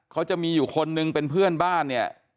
เขาจะมีอยู่คนนึงเป็นเพื่อนบ้านเนี่ย